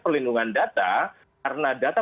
perlindungan data karena data